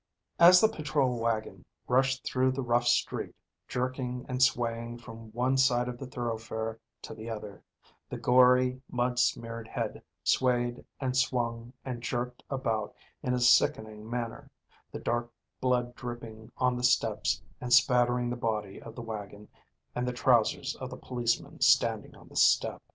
As the patrol wagon rushed through the rough street, jerking and swaying from one side of the thoroughfare to the other, the gory, mud smeared head swayed and swung and jerked about in a sickening manner, the dark blood dripping on the steps and spattering the body of the wagon and the trousers of the policemen standing on the step.